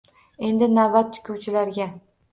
Endi navbat tikuvchilarga